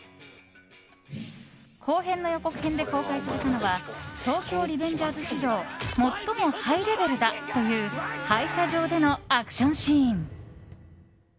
後編の予告編で公開されたのは「東京リベンジャーズ」史上最もハイレベルだという廃車場でのアクションシーン。